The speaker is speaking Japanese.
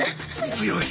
強い。